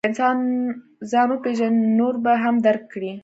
که انسان ځان وپېژني، نو نور به هم درک کړي.